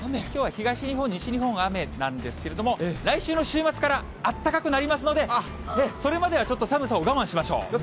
きょうは東日本、西日本雨なんですけれども、来週の週末からあったかくなりますので、それまではちょっと、寒さを我慢しましょう。